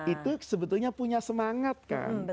itu sebetulnya punya semangat kan